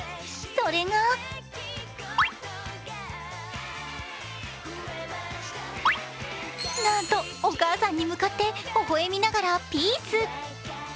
それがなんとお母さんに向かってほほ笑みながらピース。